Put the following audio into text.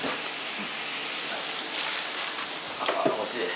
うん。